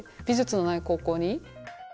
美術のない高校に。